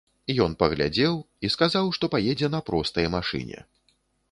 Ён паглядзеў і сказаў, што паедзе на простай машыне.